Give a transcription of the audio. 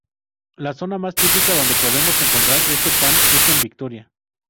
La zona más típica donde podemos encontrar este pan es en Vitoria.